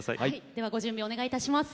ではご準備お願いいたします。